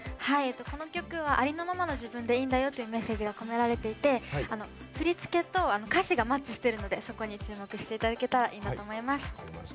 この曲はありのままの自分でいいんだよというメッセージが込められていて振り付けと歌詞がマッチしてるのでそこに注目していただけたらいいなと思います。